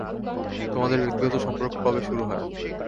তোমাদের ব্যক্তিগত সম্পর্ক কবে শুরু হয়?